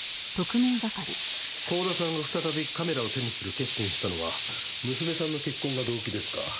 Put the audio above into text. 光田さんが再びカメラを手にする決心をしたのは娘さんの結婚が動機ですか？